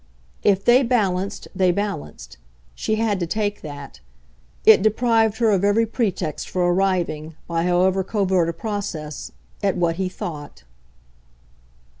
If they balanced they balanced she had to take that; it deprived her of every pretext for arriving, by however covert a process, at what he thought.